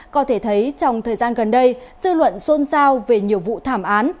có thể thấy trong thời gian gần đây dư luận xôn xao về nhiều vụ thảm án